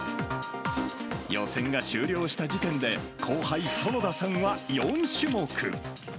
予選が終了した時点で、後輩、園田さんは４種目。